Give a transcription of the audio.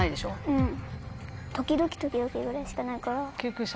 うん。